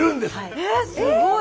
えっすごい！